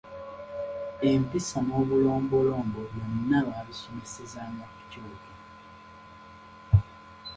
Empisa n'obulombolombo byonna baabisomesezanga ku kyoto.